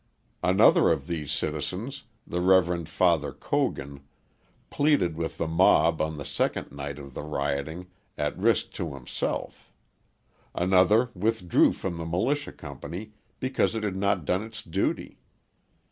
Another of these citizens, the Rev. Father Cogan, pleaded with the mob on the second night of the rioting at risk to himself; another withdrew from the militia company because it had not done its duty.